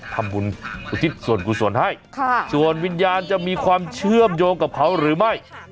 ทำบุญอุทิศส่วนกุศลให้ส่วนวิญญาณจะมีความเชื่อมโยงกับเขาหรือไม่